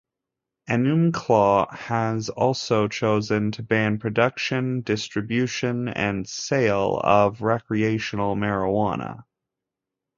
Enumclaw has also chosen to ban the production, distribution and sale of recreational marijuana.